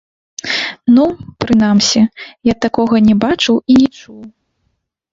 Ну, прынамсі, я такога не бачыў і не чуў.